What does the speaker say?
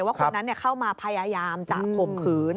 ว่าคนนั้นเข้ามาพยายามจะข่มขืน